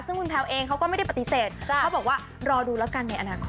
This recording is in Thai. ซึ่งคุณแพลวเองเขาก็ไม่ได้ปฏิเสธเขาบอกว่ารอดูแล้วกันในอนาคต